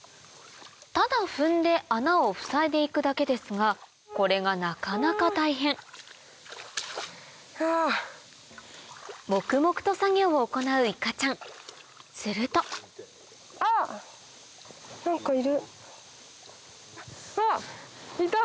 ただ踏んで穴をふさいで行くだけですがこれがなかなか大変黙々と作業を行ういかちゃんするとあっいた！